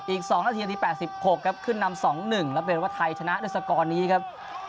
อีก๒นาทีที่๘๖ครับขึ้นนำ๒๑แล้วเป็นว่าไทยชนะด้วยสกอร์นี้ครับ